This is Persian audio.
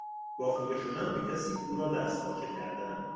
با خیره شدن به کسی او را دستپاچه کردن